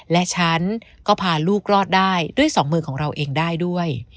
และฉันก็พาลูกรอดได้ด้วยสองมือของเราเองได้ด้วย